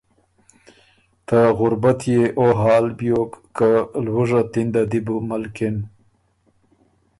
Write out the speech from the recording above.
ته غربت يې او حال بیوک که لوُژه تِنده دی بو ملکِن